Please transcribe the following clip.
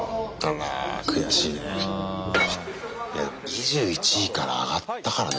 ２１位から上がったからね。